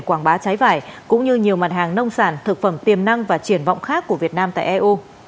quảng bá trái vải cũng như nhiều mặt hàng nông sản thực phẩm tiềm năng và triển vọng khác của việt nam tại eu